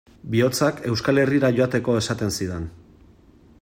Bihotzak Euskal Herrira joateko esaten zidan.